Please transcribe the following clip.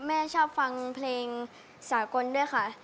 แม่ชอบฟังเพลงสากลด้วยค่ะ